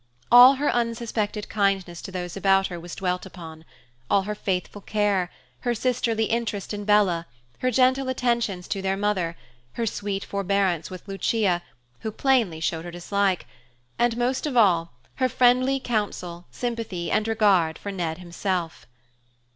All her unsuspected kindness to those about her was dwelt upon; all her faithful care, her sisterly interest in Bella, her gentle attentions to their mother, her sweet forbearance with Lucia, who plainly showed her dislike, and most of all, her friendly counsel, sympathy, and regard for Ned himself.